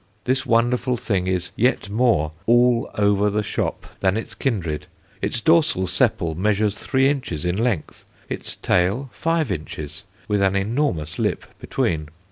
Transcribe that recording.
This wonderful thing is yet more "all over the shop" than its kindred. Its dorsal sepal measures three inches in length, its "tail," five inches, with an enormous lip between.